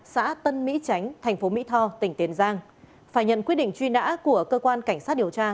xã tân mỹ chánh thành phố mỹ tho tỉnh tiền giang phải nhận quyết định truy nã của cơ quan cảnh sát điều tra